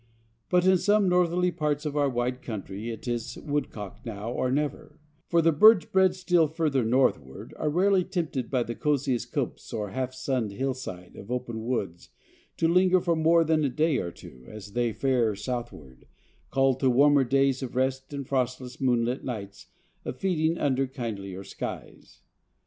But in some northerly parts of our wide country it is woodcock now or never, for the birds bred still further northward are rarely tempted by the cosiest copse or half sunned hillside of open woods to linger for more than a day or two, as they fare southward, called to warmer days of rest and frostless moonlit nights of feeding under kindlier skies.